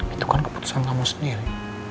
itu kan keputusan kamu sendiri